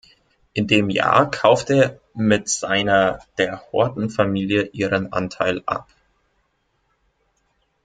In dem Jahr kaufte mit seiner der Horton-Familie ihren Anteil ab.